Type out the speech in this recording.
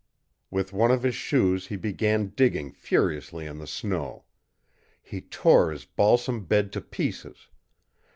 With one of his shoes he began digging furiously in the snow. He tore his balsam bed to pieces.